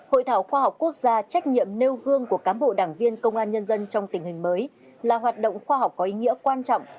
hội thảo khoa học quốc gia trách nhiệm nêu gương của cán bộ đảng viên công an nhân dân trong tình hình mới là hoạt động khoa học có ý nghĩa quan trọng